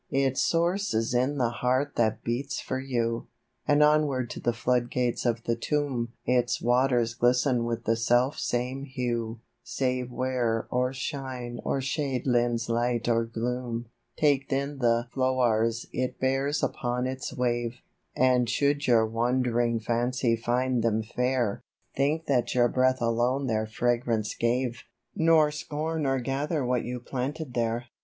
To SI Its source is in the heart that beats for you ; And onward to the flood gates of the tomb Its waters glisten with the self same hue, Save where or shine or shade lends light or gloom. Take then the flow'rs it bears upon its wave ; And should your wand'ring fancy find them fair, Think that your breath alone their fragrance gave, Nor scorn to gather what you planted there.